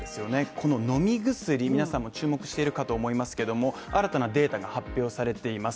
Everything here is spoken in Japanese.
この飲み薬、皆さんも注目しているかと思いますけれども、新たなデータが発表されています。